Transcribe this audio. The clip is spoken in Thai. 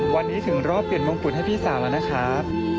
วันนี้ถึงรอบเปลี่ยนมงกุฎให้พี่สาวแล้วนะครับ